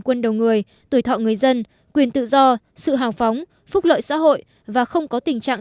quân đầu người tuổi thọ người dân quyền tự do sự hào phóng phúc lợi xã hội và không có tình trạng